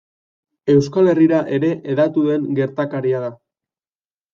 Euskal Herrira ere hedatu den gertakaria da.